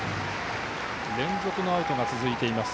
連続のアウトが続いています。